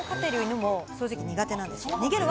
私の飼っている犬も掃除機、苦手なんです。